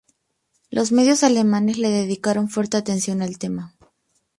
Los medios alemanes le dedicaron fuerte atención al tema.